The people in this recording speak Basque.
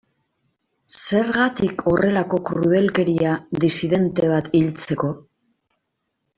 Zergatik horrelako krudelkeria disidente bat hiltzeko?